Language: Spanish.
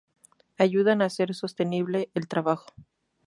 Ayudan a hacer sostenible el trabajo.